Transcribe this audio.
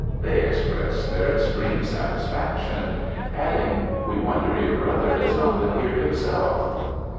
They expressed their extreme satisfaction; adding, 'We wonder your brother does not live here himself.'